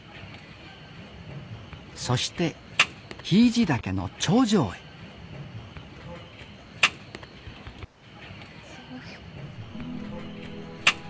そして平治岳の頂上へすごい。